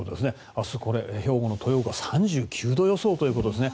明日、兵庫の豊岡３９度予想ということですね。